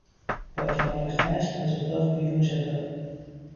با کمال خشم از اتاق بیرون شتافت.